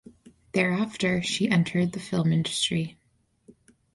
Thereafter she entered the film industry.